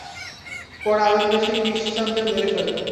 পরে আরবেরা সে ক্রিশ্চানদের মেরে ফেলে।